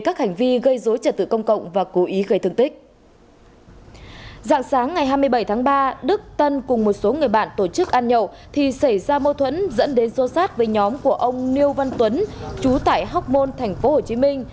sáng sáng ngày hai mươi bảy tháng ba đức tân cùng một số người bạn tổ chức ăn nhậu thì xảy ra mâu thuẫn dẫn đến sô sát với nhóm của ông niêu văn tuấn chú tại hóc môn tp hcm